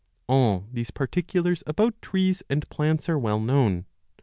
All these particu lars about trees and plants are well known.